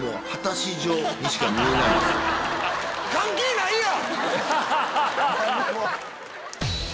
関係ないやん！